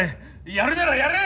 やるならやれ！